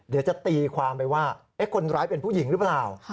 เดี๋ยวจะตีความไปว่าคนร้ายเป็นผู้หญิงหรือเปล่า